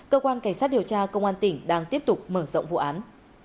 cơ quan cảnh sát điều tra công an tỉnh đang tiếp tục mở rộng vụ án